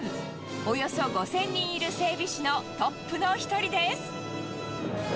およそ５０００人いる整備士のトップの１人です。